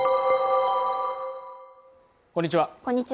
こんにちは